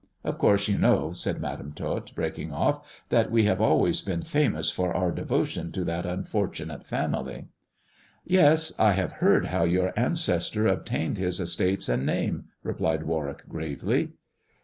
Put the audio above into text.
Of course you know," said Madam Tot, breaking ofF, " that we have always been famous for our devotion to that unfortunate family." '*Yes. I have heard how your ancestor obtained his estates and name," replied Warwick gravely.